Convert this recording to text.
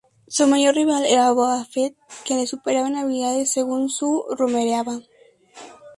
Su mayor rival era Boba Fett, que lo superaba en habilidades según se rumoreaba.